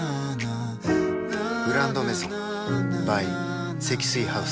「グランドメゾン」ｂｙ 積水ハウス